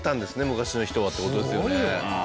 昔の人はって事ですよね。